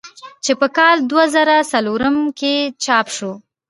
چې پۀ کال دوه زره څلورم کښې چاپ شو ۔